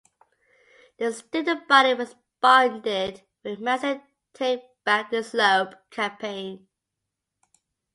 The student body responded with a massive "Take Back the Slope" campaign.